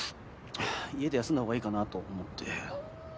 家で休んだほうがいいかなと思って。